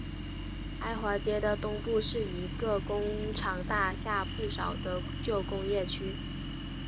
埃华街的东部是一个工厂大厦不少的旧工业区。